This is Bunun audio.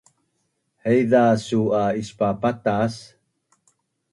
Haiza su’ a ispapatas?